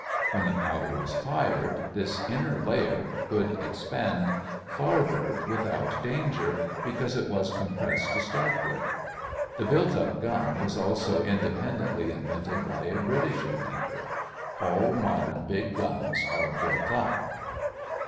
When the powder was fired, this inner layer could expand farther without danger, because it was compressed to start with. The built up gun was also independently invented by a British inventor. All modern big guns are built up.